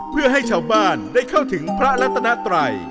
เพื่อให้ชาวบ้านได้เข้าถึงพระรัตนาไตร